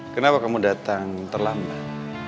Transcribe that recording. kenapa kamu datang terlambat